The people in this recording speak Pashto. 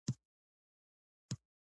بې فقاریه حیوانات د ملا تیر نلري